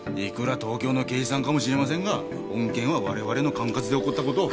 いくら東京の刑事さんかもしれませんが本件は我々の管轄で起こった事。